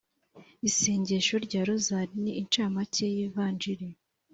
isengesho rya rozali ni incamake y’ivanjili